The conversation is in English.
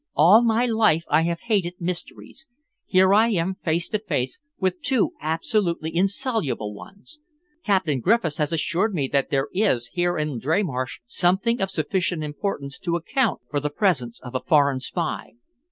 "All my life I have hated mysteries. Here I am face to face with two absolutely insoluble ones. Captain Griffiths has assured me that there is here in Dreymarsh something of sufficient importance to account for the presence of a foreign spy.